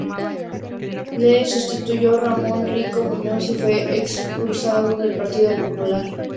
Le sustituyó Ramón Rico Muñoz y fue expulsado del Partido Popular.